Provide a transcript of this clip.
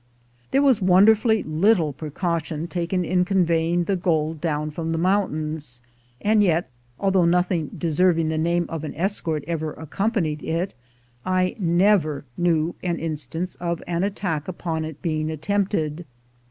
There was wonderfully little precaution taken in conveying the gold down from the mountains, and yet, although nothing deserving the name of an escort ever accompanied it, I never knew an instance of an attack upon it being attempted.